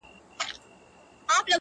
• د فاصلو په تول کي دومره پخه سوې يمه.